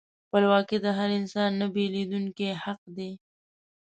خپلواکي د هر انسان نهبیلېدونکی حق دی.